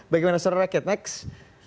bagaimana suara rakyat next